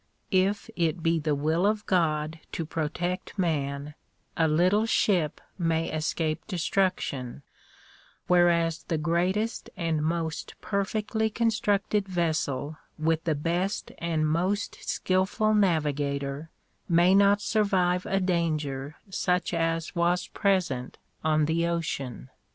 If it be the will of God to protect man, a little ship may escape destruction whereas the greatest and most perfectly constructed vessel with the best and most skilful navigator may not survive a danger such as was present on the ocean.